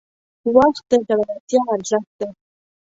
• وخت د زړورتیا ارزښت دی.